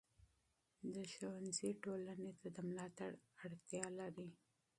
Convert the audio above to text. د ښوونځي ټولنې ته د ملاتړ اړتیا لري.